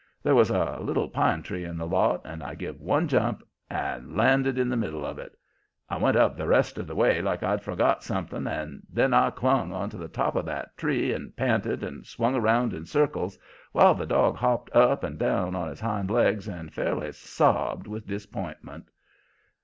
There was a little pine tree in the lot, and I give one jump and landed in the middle of it. I went up the rest of the way like I'd forgot something, and then I clung onto the top of that tree and panted and swung round in circles, while the dog hopped up and down on his hind legs and fairly sobbed with disapp'intment.